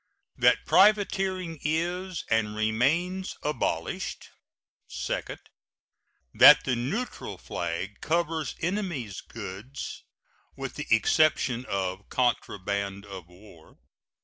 That privateering is and remains abolished. Second. That the neutral flag covers enemy's goods, with the exception of contraband of war.